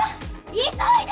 急いで！